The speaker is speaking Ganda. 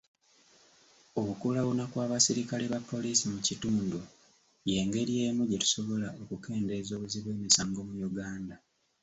Okulawuna kw'abaserikale ba poliisi mu kitundu y'engeri emu gye tusobola okukendeeza obuzzi bw'emisango mu Uganda.